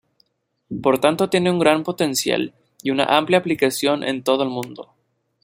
Por tanto, tiene un gran potencial y una amplia aplicación en todo el mundo.